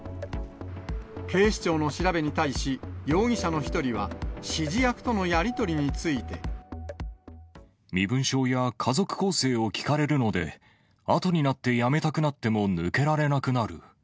警視庁の調べに対し、容疑者の１人は、指示役とのやり取りについて。身分証や家族構成を聞かれるので、あとになって辞めたくなっても抜けられなくなる。